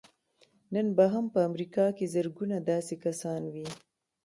نن به هم په امريکا کې زرګونه داسې کسان وي.